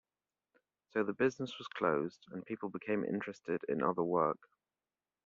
So the business was closed and people became interested in other work.